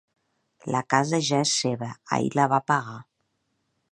La casa ja és seva: ahir la va pagar.